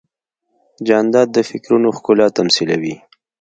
جانداد د فکرونو ښکلا تمثیلوي.